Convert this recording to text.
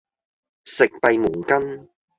食閉門羹